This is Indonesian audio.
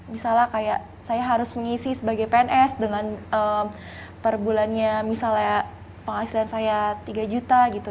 misalnya kayak saya harus mengisi sebagai pns dengan perbulannya misalnya penghasilan saya tiga juta gitu